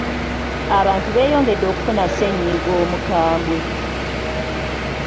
Abantu beeyongedde okufuna ssennyiga omukambwe.